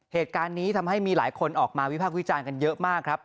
เหตุการณ์นี้ทำให้มีหลายคนออกมาวิพากษ์วิจารณ์กันเยอะมากครับ